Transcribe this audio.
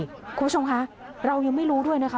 คุณผู้ชมคะเรายังไม่รู้ด้วยนะคะ